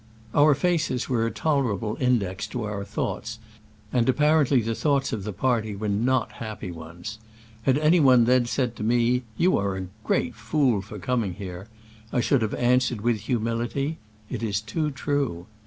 Our faces were a tolerable index to our thoughts, and apparently the thoughts of the party were not happy ones. Had any one then said to me, "You are a great fool for coming here," I should have answered with humility, " It is too true."